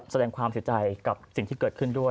แสดงความเสียใจกับสิ่งที่เกิดขึ้นด้วย